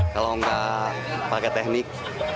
kalau enggak pakai teknik